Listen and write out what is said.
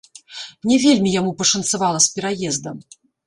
Не вельмі яму пашанцавала з пераездам.